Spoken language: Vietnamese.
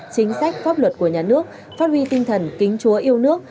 chính sách pháp luật của nhà nước phát huy tinh thần kính chúa yêu nước